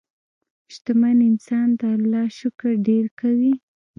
شتمن انسان د الله شکر ډېر کوي.